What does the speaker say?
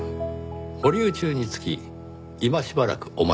保留中につき今しばらくお待ちを。